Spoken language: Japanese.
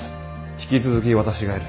引き続き私がやる。